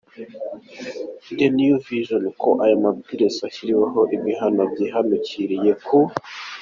the New vision ko aya mabwiriza ashyiriweho ibihano byihanukiriye ku